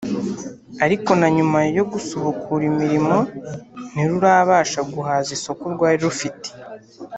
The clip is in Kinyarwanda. ariko na nyuma yo gusubukura imirimo ntirurabasha guhaza isoko rwari rufite